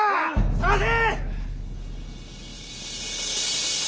捜せ！